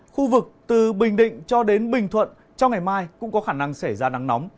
khu vực từ bình định cho đến bình thuận trong ngày mai cũng có khả năng xảy ra nắng nóng